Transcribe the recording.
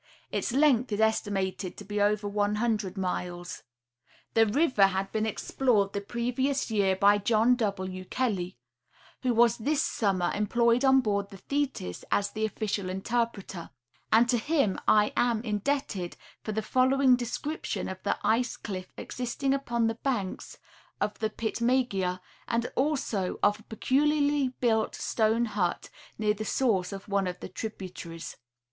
Its length is estimated to be over one hun dred miles. The river had been explored the previous year by John W. Kelly, who was this summer employed on board the Thetis as the official interpreter, and to him I am indebted for the following description of the ice cliff existing upon the banks of the Pitmegea, and also of a peculiarly built stone hut near the source of one of the tributaries.